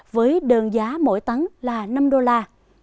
với đơn giá mỗi tấn là năm triệu tấn